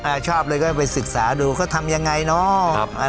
ชอบเลยก็ไปศึกษาดูเขาทำยังไงเนาะ